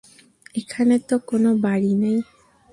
এখানে তো কোনো বাড়ি নেই।